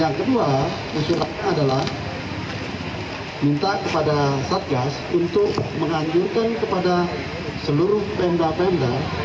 yang kedua musyarakatnya adalah minta kepada satgas untuk menganjurkan kepada seluruh penda penda